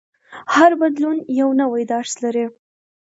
هر بدلون یو نوی درس لري.